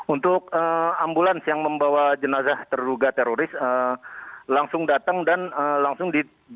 untuk ambulans yang membawa jenazah terduga teroris langsung datang dan langsung di